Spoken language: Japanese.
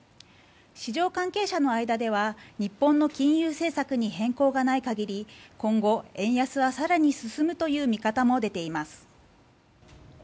市場関係者の間では日本の金融政策に変更がない限り今後、円安は更に進むという見方も出ています。